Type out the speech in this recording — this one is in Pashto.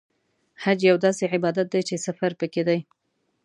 حج یو داسې عبادت دی چې سفر پکې دی.